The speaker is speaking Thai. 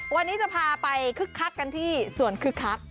วันนี้จะพาไปคึกคักกันที่ส่วนคึกคัก